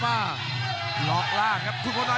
โอ้โหโอ้โห